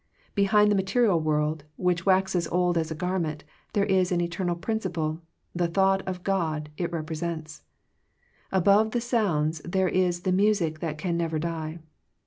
Behind the material world, which waxes old as a garment, there is an eter nal principle, the thought of God it rep resents. Above the sounds there is the music that can never die.